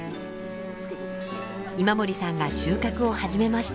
今森さんが収穫を始めました。